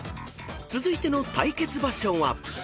［続いての対決場所は］